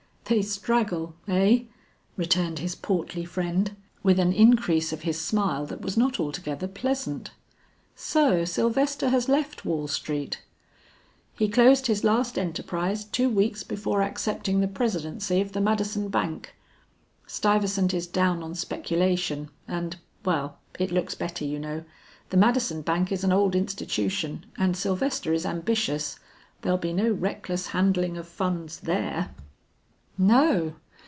"They straggle eh?" returned his portly friend with an increase of his smile that was not altogether pleasant. "So Sylvester has left Wall Street?" "He closed his last enterprise two weeks before accepting the Presidency of the Madison Bank. Stuyvesant is down on speculation, and well It looks better you know; the Madison Bank is an old institution, and Sylvester is ambitious. There'll be no reckless handling of funds there." "No!"